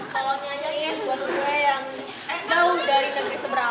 kalau nyanyi buat gue yang tahu dari negeri seberang